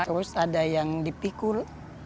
terus ada yang dipikul